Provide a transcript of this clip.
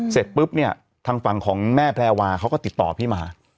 เสร็จปุ๊บเนี่ยทางฝั่งของแม่แพรวาเขาก็ติดต่อพี่มา